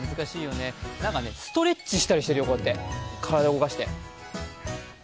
ストレッチしたりしてるよこうやって体動かして。